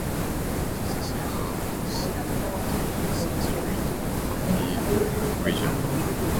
It is the seat of both Montagnes District and Tonkpi Region.